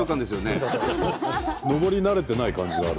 上り慣れてない感じがある。